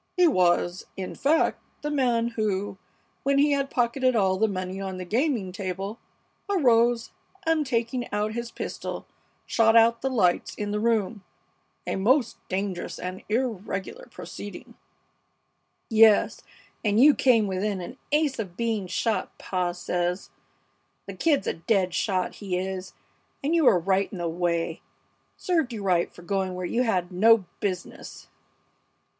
He was, in fact, the man who, when he had pocketed all the money on the gaming table, arose and, taking out his pistol, shot out the lights in the room, a most dangerous and irregular proceeding " "Yes, and you came within an ace of being shot, pa says. The Kid's a dead shot, he is, and you were right in the way. Served you right for going where you had no business!"